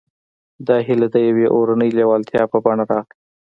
دا هيله د يوې اورنۍ لېوالتيا په بڼه راغله.